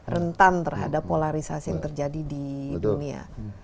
rentan terhadap polarisasi yang terjadi di dunia